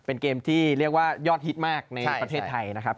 เป็นเกมที่เรียกว่ายอดฮิตมากในประเทศไทยนะครับ